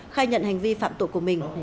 khai nhận hành vi phạm tội của mình